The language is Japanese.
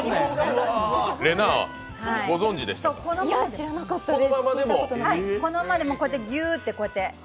知らなかったです。